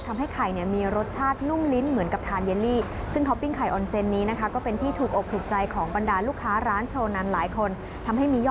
ทำให้ไข่มีรสชาตินุ่มลิ้นเหมือนกับทานเยลลี่